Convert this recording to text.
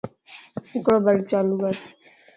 ھڪڙو بلب چالو ڪر